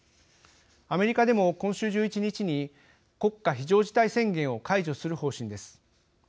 アメリカでも今週１１日に国家非常事態宣言を解除する方針です。